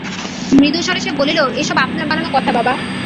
মৃদুস্বরে সে বলিল, এসব আপনার বানানো কথা বাবা।